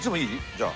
じゃあ。